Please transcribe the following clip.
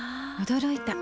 驚いた。